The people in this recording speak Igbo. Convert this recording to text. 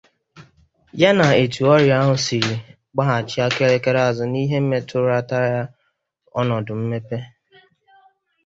ya na etu ọrịa ahụ siri gbaghachi aka elekere azụ n'ihe metụratara ọnọdụ mmepe